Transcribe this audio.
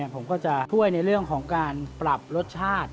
ผมก็จะช่วยในเรื่องของการปรับรสชาติ